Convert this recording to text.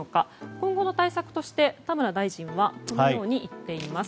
今後の対策として田村大臣はこのように言っています。